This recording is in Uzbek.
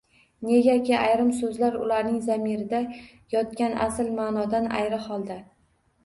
Negaki ayrim so‘zlar ularning zamirida yotgan asl ma’nodan ayri holda